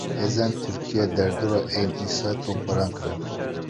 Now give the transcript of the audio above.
Hêzên Tirkiyeyê derdora Êyn Îsayê topbaran kirin.